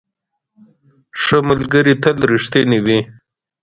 ښه ملګري تل رښتیني وي.